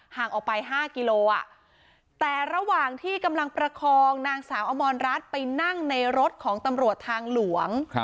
ห่างออกไป๕กิโลแต่ระหว่างที่กำลังประคองนางสาวอมรรัฐไปนั่งในรถของตำรวจทางหลวง